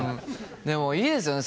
でもいいですよね